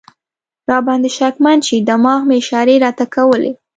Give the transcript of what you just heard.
را باندې شکمن شي، دماغ مې اشارې راته کولې.